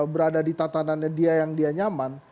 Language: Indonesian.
berada di tatanannya dia yang dia nyaman